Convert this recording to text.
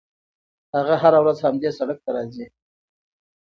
هغه هره ورځ همدې سړک ته راځي.